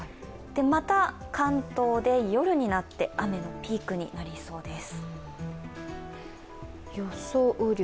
また関東で夜になって雨のピークになりそうです。